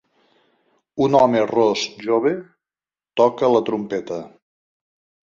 Un home ros jove toca la trompeta.